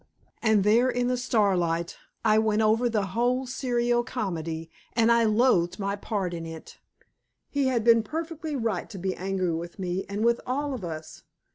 And there in the starlight, I went over the whole serio comedy, and I loathed my part in it. He had been perfectly right to be angry with me and with all of us.